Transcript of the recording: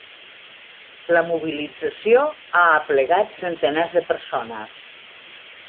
La mobilització ha aplegat centenars de persones.